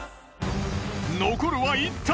残るは１体。